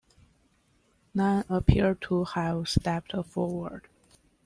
None appear to have stepped forward.